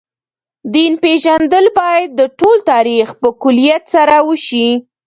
دین پېژندل باید د ټول تاریخ په کُلیت سره وشي.